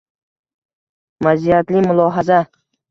Мaziyatli mulohaza